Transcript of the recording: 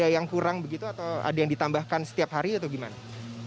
ada yang kurang begitu atau ada yang ditambahkan setiap hari atau gimana